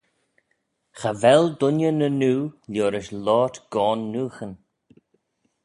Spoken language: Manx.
Cha vel dooinney ny noo liorish loayrt goan nooghyn.